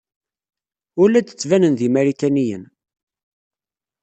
Ur la d-ttbanen d Imarikaniyen.